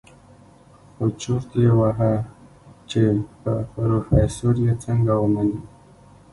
خو چورت يې وهه چې په پروفيسر يې څنګه ومني.